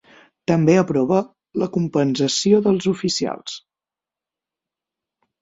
També aprova la compensació dels oficials.